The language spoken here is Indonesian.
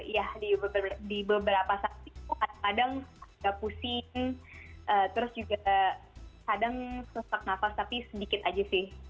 ya di beberapa saksi kadang agak pusing terus juga kadang sesak nafas tapi sedikit aja sih